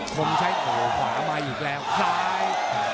คงใช้โถขวามาอีกแล้วคลาย